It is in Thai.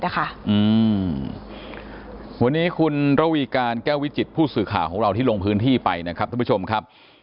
วันนี้คุณระวีการแก้ววิจิตผู้สื่อข่าวของเราที่ลงพื้นที่ไปนะครับท่านผู้ชมครับ